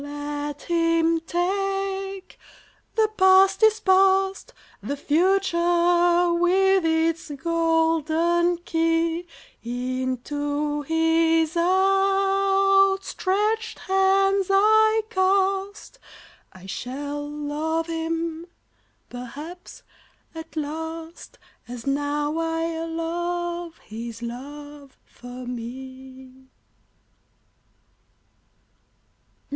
So let him take, the past is past; The future, with its golden key, Into his outstretched hands I cast. I shall love him perhaps at last, As now I love his love for me.